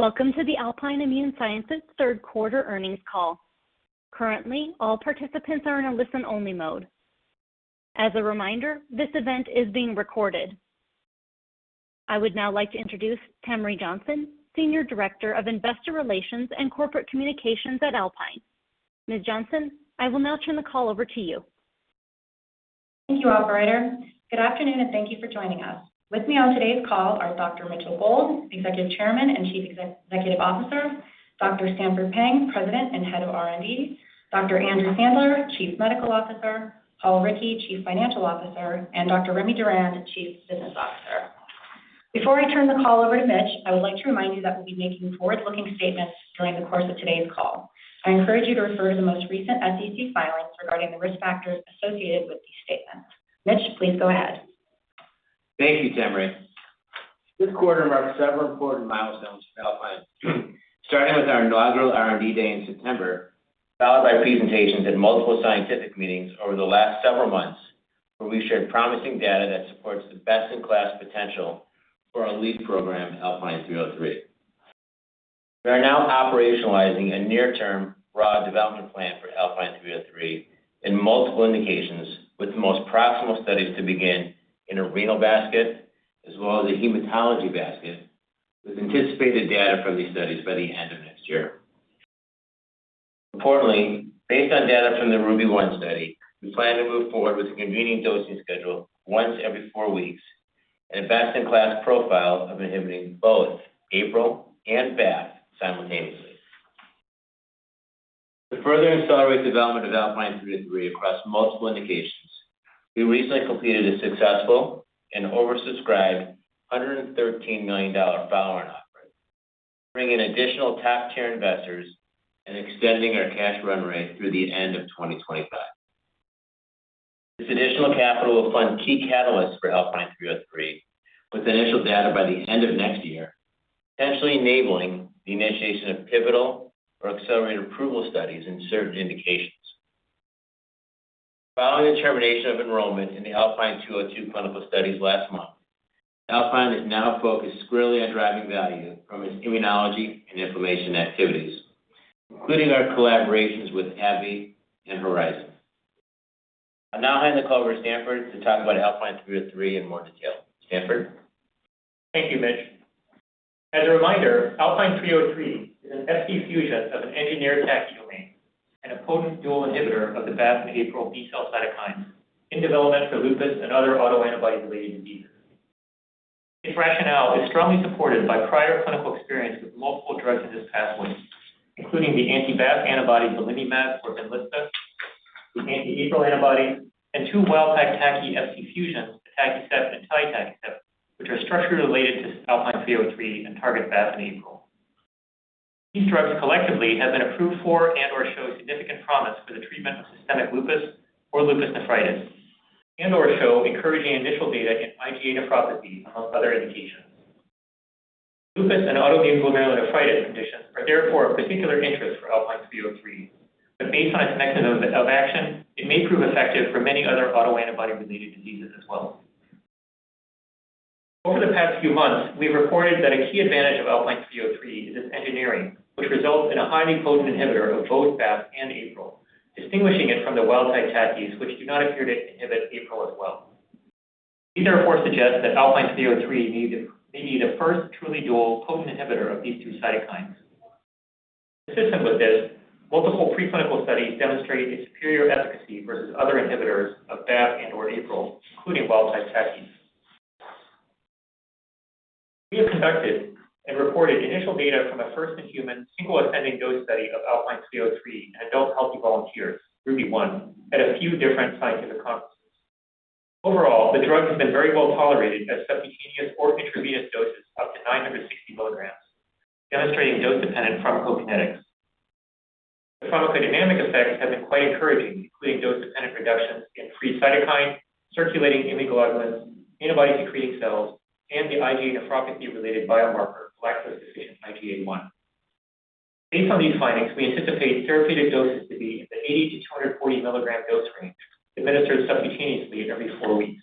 Welcome to the Alpine Immune Sciences third quarter earnings call. Currently, all participants are in a listen-only mode. As a reminder, this event is being recorded. I would now like to introduce Temre Johnson, Senior Director of Investor Relations and Corporate Communications at Alpine. Ms. Johnson, I will now turn the call over to you. Thank you, operator. Good afternoon, and thank you for joining us. With me on today's call are Dr. Mitchell Gold, Executive Chairman and Chief Executive Officer, Dr. Stanford Peng, President and Head of R&D, Dr. Andrew Sandler, Chief Medical Officer, Paul Rickey, Chief Financial Officer, and Dr. Remy Durand, Chief Business Officer. Before I turn the call over to Mitch, I would like to remind you that we'll be making forward-looking statements during the course of today's call. I encourage you to refer to the most recent SEC filings regarding the risk factors associated with these statements. Mitch, please go ahead. Thank you, Temre. This quarter marks several important milestones for Alpine. Starting with our inaugural R&D Day in September, followed by presentations at multiple scientific meetings over the last several months, where we've shared promising data that supports the best-in-class potential for our lead program, Alpine 303. We are now operationalizing a near-term broad development plan for Alpine 303 in multiple indications, with the most proximal studies to begin in a renal basket as well as a hematology basket, with anticipated data from these studies by the end of next year. Importantly, based on data from the RUBY-1 study, we plan to move forward with a convenient dosing schedule once every four weeks and a best-in-class profile of inhibiting both APRIL and BAFF simultaneously. To further accelerate development of Alpine 303 across multiple indications, we recently completed a successful and oversubscribed $113 million follow-on offering, bringing additional top-tier investors and extending our cash run rate through the end of 2025. This additional capital will fund key catalysts for Alpine 303, with initial data by the end of next year, potentially enabling the initiation of pivotal or accelerated approval studies in certain indications. Following the termination of enrollment in the Alpine 202 clinical studies last month, Alpine is now focused squarely on driving value from its immunology and inflammation activities, including our collaborations with AbbVie and Horizon. I'll now hand the call over to Stanford to talk about Alpine 303 in more detail. Stanford? Thank you, Mitch. As a reminder, ALPN-303 is an Fc fusion of an engineered TACI domain and a potent dual inhibitor of the BAFF and APRIL B cell cytokines in development for lupus and other autoantibody-related diseases. Its rationale is strongly supported by prior clinical experience with multiple drugs in this pathway, including the anti-BAFF antibody Belimumab or Benlysta, the anti-APRIL antibody, and two wild-type TACIs Fc fusions, the atacicept and telitacicept, which are structurally related to ALPN-303 and target BAFF and APRIL. These drugs collectively have been approved for and/or show significant promise for the treatment of systemic lupus or lupus nephritis and/or show encouraging initial data in IgA nephropathy, among other indications. Lupus and autoimmune glomerulonephritis conditions are therefore of particular interest for ALPN-303, but based on its mechanism of action, it may prove effective for many other autoantibody-related diseases as well. Over the past few months, we've reported that a key advantage of ALPN-303 is its engineering, which results in a highly potent inhibitor of both BAFF and APRIL, distinguishing it from the wild-type TACIs, which do not appear to inhibit APRIL as well. These therefore suggest that ALPN-303 may be the first truly dual potent inhibitor of these two cytokines. Consistent with this, multiple preclinical studies demonstrate its superior efficacy versus other inhibitors of BAFF and/or APRIL, including wild-type TACIs. We have conducted and reported initial data from a first-in-human single ascending dose study of ALPN-303 in adult healthy volunteers, RUBY-1, at a few different scientific conferences. Overall, the drug has been very well tolerated at subcutaneous or intravenous doses up to 960 mg, demonstrating dose-dependent pharmacokinetics. The pharmacodynamic effects have been quite encouraging, including dose-dependent reductions in free cytokine, circulating immunoglobulins, antibody-secreting cells, and the IgA nephropathy-related biomarker galactose-deficient IgA1. Based on these findings, we anticipate therapeutic doses to be in the 80-240 mg dose range, administered subcutaneously every four weeks.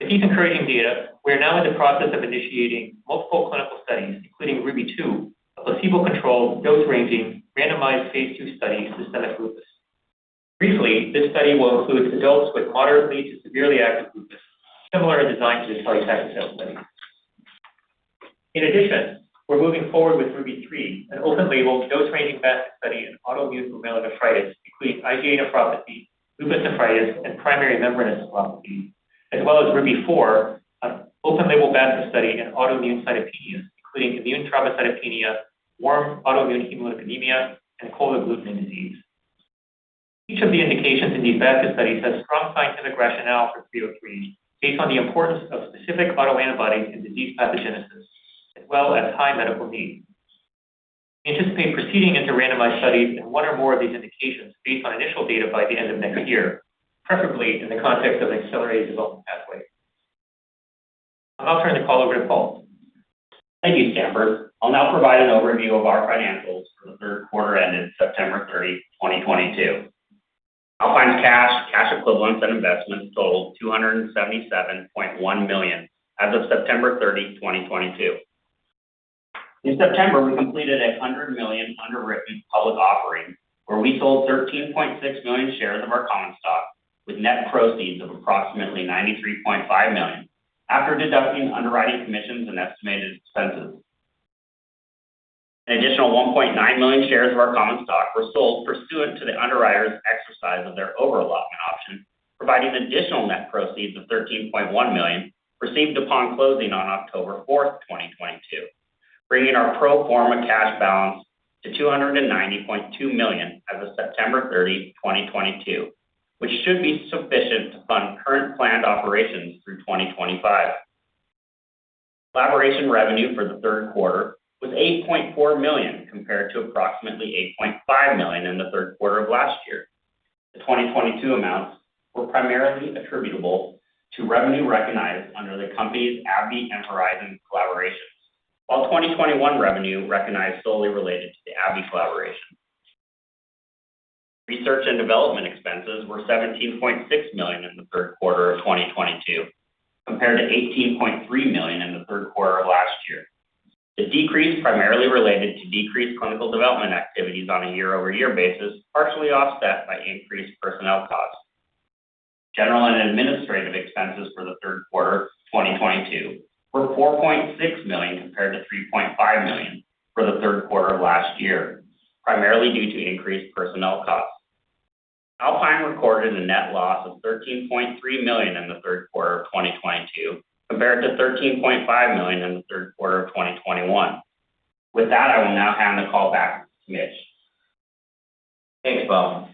With these encouraging data, we are now in the process of initiating multiple clinical studies, including RUBY-2, a placebo-controlled dose-ranging randomized phase II study in systemic lupus. Briefly, this study will include adults with moderately to severely active lupus, similar in design to the telitacicept study. We're moving forward with RUBY-3, an open-label dose-ranging basket study in autoimmune glomerulonephritis, including IgA nephropathy, lupus nephritis, and primary membranous nephropathy, as well as RUBY-4, an open-label basket study in autoimmune cytopenias, including immune thrombocytopenia, warm autoimmune hemolytic anemia, and cold agglutinin disease. Each of the indications in these basket studies has strong scientific rationale for 303 based on the importance of specific autoantibodies in disease pathogenesis as well as high medical need. We anticipate proceeding into randomized studies in one or more of these indications based on initial data by the end of next year, preferably in the context of accelerated development pathways. I'll now turn the call over to Paul. Thank you, Stanford. I'll now provide an overview of our financials for the third quarter ended September 30, 2022. Alpine's cash equivalents, and investments totaled $277.1 million as of September 30, 2022. In September, we completed a $100 million underwritten public offering, where we sold 13.6 million shares of our common stock with net proceeds of approximately $93.5 million after deducting underwriting commissions and estimated expenses. An additional 1.9 million shares of our common stock were sold pursuant to the underwriter's exercise of their over allotment option, providing additional net proceeds of $13.1 million received upon closing on October 4, 2022, bringing our pro forma cash balance to $290.2 million as of September 30, 2022, which should be sufficient to fund current planned operations through 2025. Collaboration revenue for the third quarter was $8.4 million compared to approximately $8.5 million in the third quarter of last year. The 2022 amounts were primarily attributable to revenue recognized under the company's AbbVie and Horizon collaborations. While 2021 revenue recognized solely related to the AbbVie collaboration. Research and development expenses were $17.6 million in the third quarter of 2022 compared to $18.3 million in the third quarter of last year. The decrease primarily related to decreased clinical development activities on a year-over-year basis, partially offset by increased personnel costs. General and administrative expenses for the third quarter 2022 were $4.6 million compared to $3.5 million for the third quarter of last year, primarily due to increased personnel costs. Alpine recorded a net loss of $13.3 million in the third quarter of 2022 compared to $13.5 million in the third quarter of 2021. With that, I will now hand the call back to Mitch. Thanks, Paul.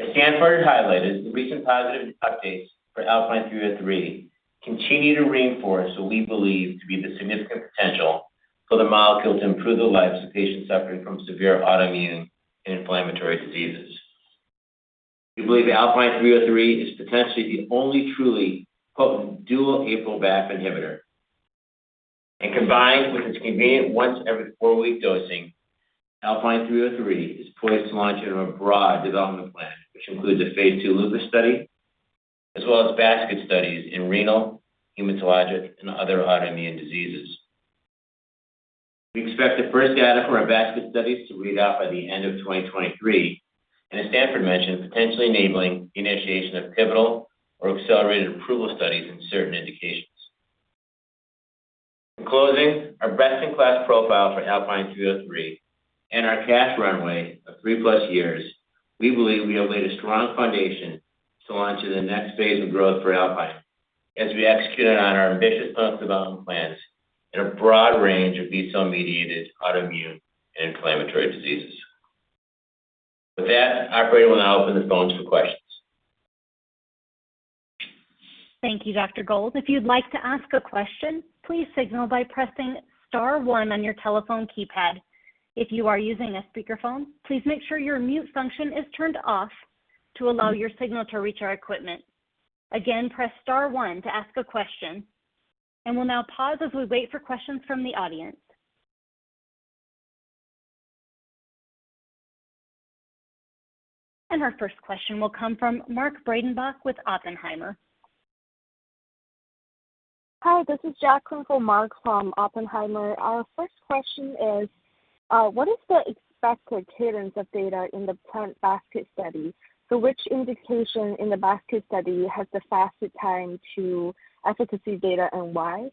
As Stanford highlighted, the recent positive updates for Alpine 303 continue to reinforce what we believe to be the significant potential for the molecule to improve the lives of patients suffering from severe autoimmune and inflammatory diseases. We believe Alpine 303 is potentially the only truly, quote, "dual BAFF/APRIL inhibitor." Combined with its convenient once every four-week dosing, Alpine 303 is poised to launch in a broad development plan, which includes a phase II lupus study, as well as basket studies in renal, hematologic, and other autoimmune diseases. We expect the first data from our basket studies to read out by the end of 2023, and as Stanford mentioned, potentially enabling the initiation of pivotal or accelerated approval studies in certain indications. In closing, our best-in-class profile for ALPN-303 and our cash runway of 3+ years, we believe we have laid a strong foundation to launch into the next phase of growth for Alpine as we execute on our ambitious clinical development plans in a broad range of B cell-mediated autoimmune and inflammatory diseases. With that, operator will now open the phones for questions. Thank you, Dr. Gold. If you'd like to ask a question, please signal by pressing star one on your telephone keypad. If you are using a speakerphone, please make sure your mute function is turned off to allow your signal to reach our equipment. Again, press star one to ask a question, and we'll now pause as we wait for questions from the audience. Our first question will come from Mark Breidenbach with Oppenheimer. Hi, this is Jaclyn for Mark from Oppenheimer. Our first question is, what is the expected cadence of data in the current basket study? Which indication in the basket study has the fastest time to efficacy data and why?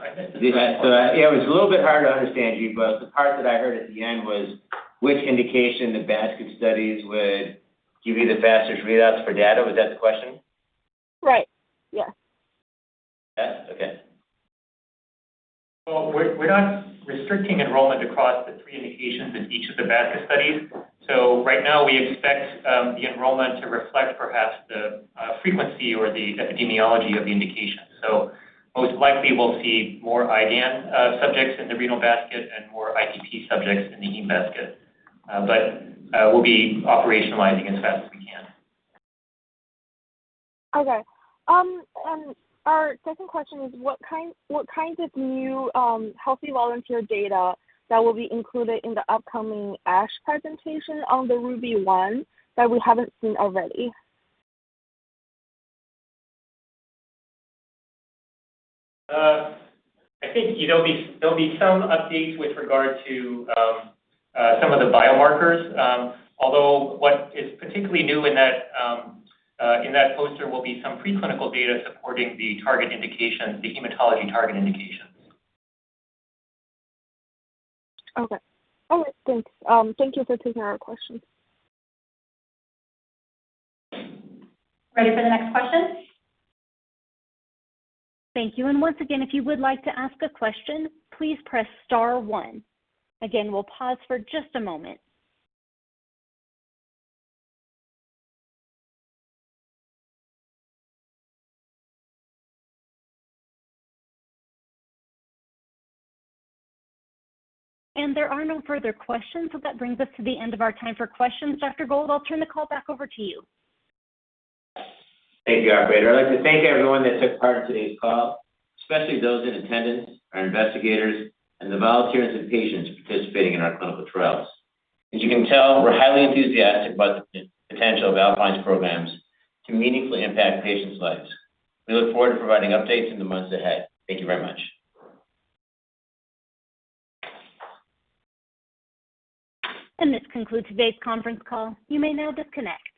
Yeah, it was a little bit hard to understand you, but the part that I heard at the end was which indication the basket studies would give you the fastest readouts for data. Was that the question? Right. Yes. Yes? Okay. Well, we're not restricting enrollment across the three indications in each of the basket studies. Right now we expect the enrollment to reflect perhaps the frequency or the epidemiology of the indication. Most likely we'll see more IgAN subjects in the renal basket and more ITP subjects in the heme basket. We'll be operationalizing as fast as we can. Okay. Our second question is what kinds of new healthy volunteer data that will be included in the upcoming ASH presentation on the RUBY-1 that we haven't seen already? I think there'll be some updates with regard to some of the biomarkers. Although what is particularly new in that poster will be some preclinical data supporting the target indication, the hematology target indication. Okay. All right, thanks. Thank you for taking our questions. Ready for the next question? Thank you. Once again, if you would like to ask a question, please press star one. Again, we'll pause for just a moment. There are no further questions, so that brings us to the end of our time for questions. Dr. Gold, I'll turn the call back over to you. Thank you, operator. I'd like to thank everyone that took part in today's call, especially those in attendance, our investigators, and the volunteers and patients participating in our clinical trials. As you can tell, we're highly enthusiastic about the potential of Alpine's programs to meaningfully impact patients' lives. We look forward to providing updates in the months ahead. Thank you very much. This concludes today's conference call. You may now disconnect.